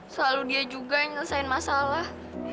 selalu dia juga yang ngelesain masalah